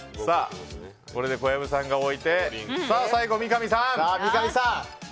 これで小籔さんが置いて最後三上さん！